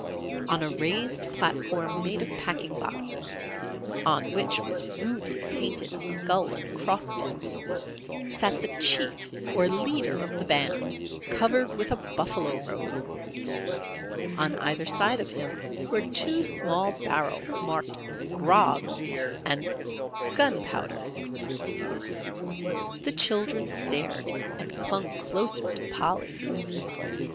On a raised platform made of a packing box, on which was rudely painted a skull and cross bones, sat the chief or leader of the band covered with a buffalo robe; on either side of him were two small barrels marked "Grog" and "Gunpowder." The children stared and clung closer to Polly.